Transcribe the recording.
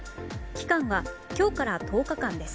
期間は今日から１０日間です。